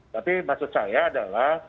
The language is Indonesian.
tapi maksud saya adalah